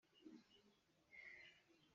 Muṭhai nan kan pek.